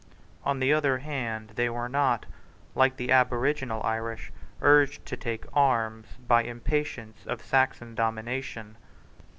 On the other hand they were not, like the aboriginal Irish, urged to take arms by impatience of Saxon domination.